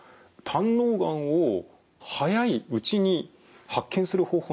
胆のうがんを早いうちに発見する方法